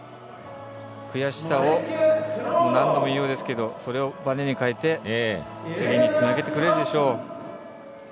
悔しさを、何度も言うようですがそれをバネに変えて次につなげてくれるでしょう。